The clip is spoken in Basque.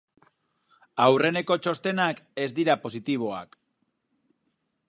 Aurreneko txostenak ez dira positiboak.